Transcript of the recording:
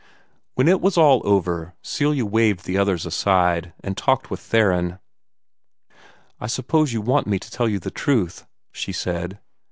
When it was all over, Celia waved the others aside, and talked with Theron. "I suppose you want me to tell you the truth," she said.